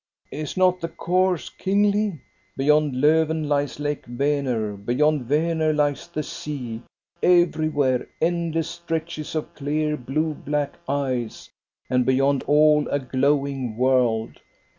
Is not the course kingly? Beyond Lofven lies Lake Vaner. Beyond Vaner lies the sea, everywhere endless stretches of clear blue black ice, and beyond all a glowing world.